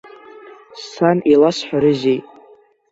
Сан иласҳәарызеи?